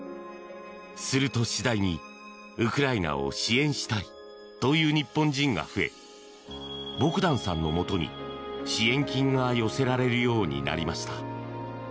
すると次第に、ウクライナを支援したいという日本人が増えボグダンさんのもとに、支援金が寄せられるようになりました。